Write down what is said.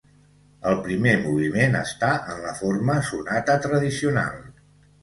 El primer moviment està en la forma sonata tradicional.